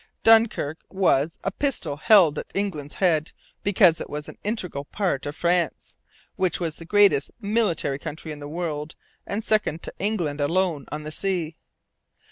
Dunkirk was 'a pistol held at England's head' because it was an integral part of France, which was the greatest military country in the world and second to England alone on the sea.